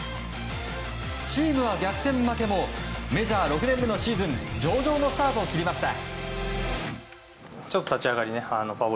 チームは逆転負けもメジャー６年目のシーズン上々のスタートを切りました。